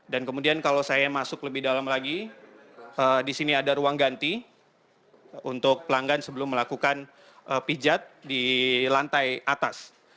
dan kemudian kalau saya masuk lebih dalam lagi disini ada ruang ganti untuk pelanggan sebelum melakukan pijat di lantai atas